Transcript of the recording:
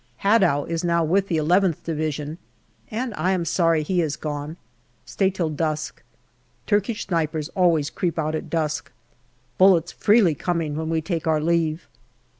Hadow is now with the nth Division, and I am sorry he has gone. Stay till dusk. Turkish snipers always creep out at dusk. Bullets freely coming when we take our leave.